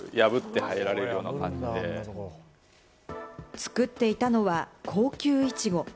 作っていたのは高級イチゴ。